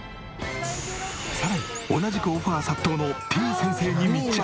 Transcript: さらに同じくオファー殺到のてぃ先生に密着！